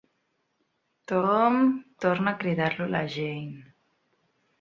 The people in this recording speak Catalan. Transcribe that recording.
Tooom! —torna a cridar-lo la Jane.